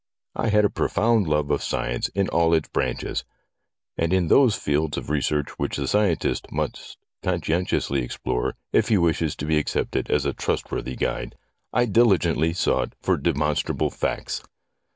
I had a profound love of science in all its branches, and in those fields of research which the scientist must conscientiously explore if he wishes to be accepted as a trustworthy guide, I diligently sought for demonstrable facts.